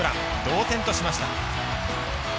同点としました。